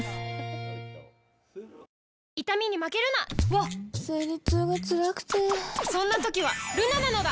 わっ生理痛がつらくてそんな時はルナなのだ！